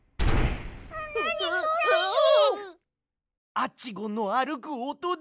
アッチゴンのあるくおとだ。